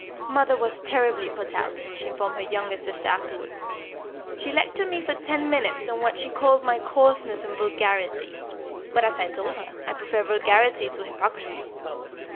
"Mother was terribly put out," she informed her younger sister afterwards. "She lectured me for ten minutes on what she called my coarseness and vulgarity; but, as I told her, I prefer vulgarity to hypocrisy.